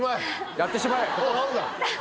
やってしまえ！